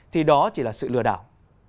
thì đó chỉ là sự lừa đảo